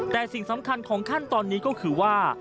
แต่สิ่งสำคัญของขั้นตอนนี้ก็คือว่า